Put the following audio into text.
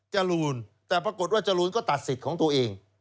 จรูนแต่ปรากฏว่าจรูนก็ตัดสิทธิ์ของตัวเอง